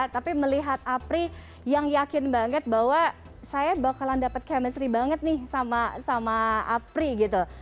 tapi melihat apri yang yakin banget bahwa saya bakalan dapat chemistry banget nih sama apri gitu